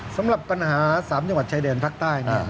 สำหรับปัญหา๓จังหวัดชายแดนภาคใต้